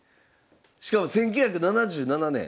しかも１９７７年。